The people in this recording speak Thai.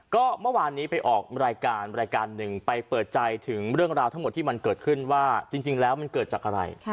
ก็เมื่อวานนี้ไปออกรายการรายการหนึ่งไปเปิดใจถึงเรื่องราวทั้งหมดที่มันเกิดขึ้นว่าจริงแล้วมันเกิดจากอะไร